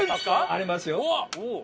ありますよ。